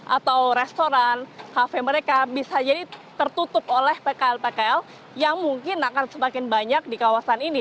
atau restoran kafe mereka bisa jadi tertutup oleh pkl pkl yang mungkin akan semakin banyak di kawasan ini